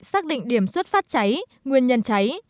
xác định điểm xuất phát cháy nguyên nhân cháy